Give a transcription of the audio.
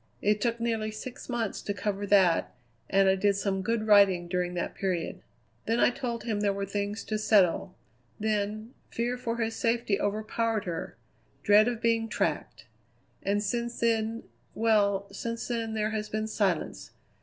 It took nearly six months to cover that, and I did some good writing during that period. Then I told him there were things to settle; then, fear for his safety overpowered her: dread of being tracked. And since then well, since then there has been silence.